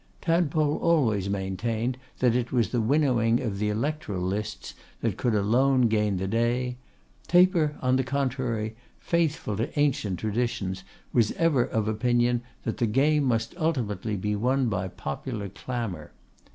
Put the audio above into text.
Tadpole always maintained that it was the winnowing of the electoral lists that could alone gain the day; Taper, on the contrary, faithful to ancient traditions, was ever of opinion that the game must ultimately be won by popular clamour.